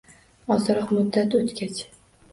Ozroq muddat o‘tgach